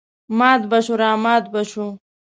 مات به شوو رامات به شوو.